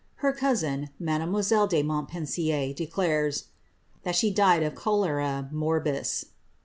Her cousin, Mademoiselle de Mon^wn* sier, declares ^ that she died of cholera morbus."